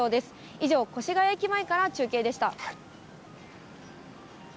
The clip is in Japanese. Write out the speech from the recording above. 以上、越谷駅前から中継でした。